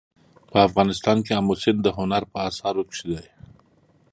په افغانستان کې آمو سیند د هنر په اثار کې دی.